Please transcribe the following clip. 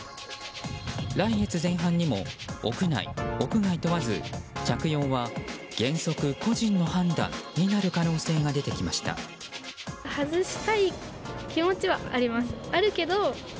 来月前半にも屋内・屋外問わず着用は原則、個人の判断になる可能性が出てきました。